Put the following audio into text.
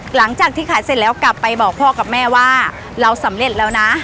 หลังจากที่ขายเสร็จแล้วกลับไปบอกพ่อกับแม่ว่าเราสำเร็จแล้วนะ